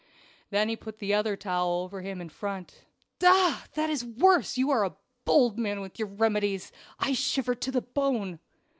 Then he put the other towel over him in front. "Ugh! That is worse; you are a bold man with your remedies. I shiver to the bone."